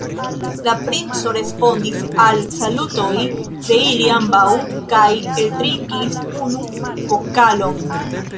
La princo respondis al salutoj de ili ambaŭ kaj eltrinkis unu pokalon.